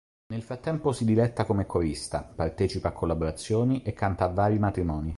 Nel frattempo si diletta come corista, partecipa a collaborazioni e canta a vari matrimoni.